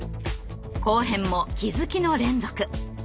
後編も気づきの連続。